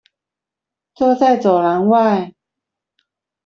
坐在走廊外